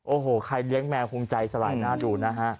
โอ้โหใครเลี้ยงแมวคงใจสลายหน้าดูนะฮะ